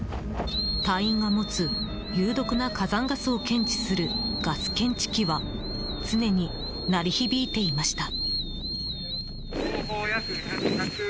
隊員が持つ有毒な火山ガスを検知するガス検知器は常に鳴り響いていました。